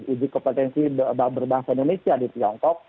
ini kepotensi berbahasa indonesia di tiongkok